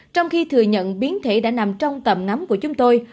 trong khi thừa nhận biến thể đã nằm trong tầm ngắm của chúng tôi